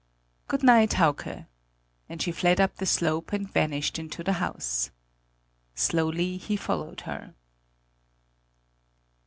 "Good night, Hauke!" And she fled up the slope and vanished into the house. Slowly he followed her.